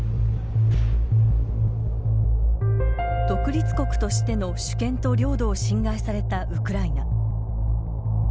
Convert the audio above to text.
独立国としての主権と領土を侵害されたウクライナ。